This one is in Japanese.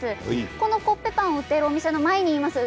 このコッペパンを売っているお店の前にいます。